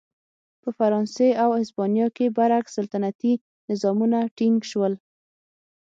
په فرانسې او هسپانیې کې برعکس سلطنتي نظامونه ټینګ شول.